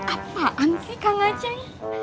apaan sih kang achen